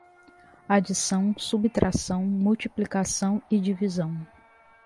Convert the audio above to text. Adição, subtração, multiplicação e divisão